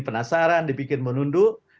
penasaran dibikin menunduk